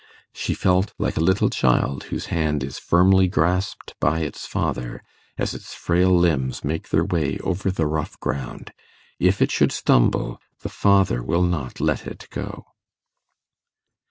She felt like a little child whose hand is firmly grasped by its father, as its frail limbs make their way over the rough ground; if it should stumble, the father will not let it go.